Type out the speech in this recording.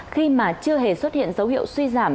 khi mà chưa hề xuất hiện dấu hiệu suy giảm